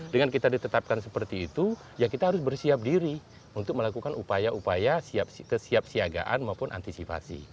dengan kita ditetapkan seperti itu ya kita harus bersiap diri untuk melakukan upaya upaya kesiapsiagaan maupun antisipasi